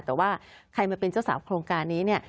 แต่ว่าใครมาเป็นเจ้าสาวโครงการนี้เนี่ย